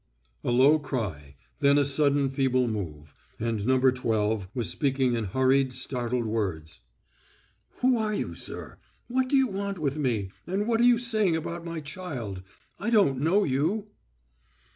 A low cry, then a sudden feeble move, and No. Twelve was speaking in hurried, startled words: "Who are you, sir? What do you want with me, and what are you saying about my child? I don't know you."